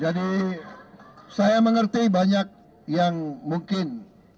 jadi saya mengerti banyak yang mungkin